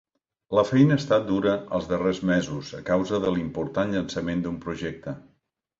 La feina ha estat dura els darrers mesos a causa de l'important llançament d'un projecte.